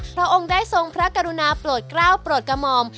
พระองค์ได้ทรงพระกรุณาโปรดกล้าวโปรดกระหม่อม